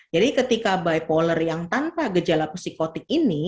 jadi ketika bipolar yang tanpa gejala psikotik ini